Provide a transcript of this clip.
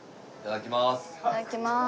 いただきます。